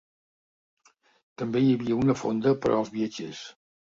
També hi havia una fonda per als viatgers.